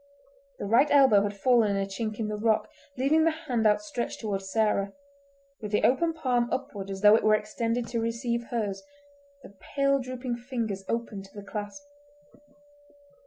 The right elbow had fallen in a chink in the rock, leaving the hand outstretched toward Sarah, with the open palm upward as though it were extended to receive hers, the pale drooping fingers open to the clasp.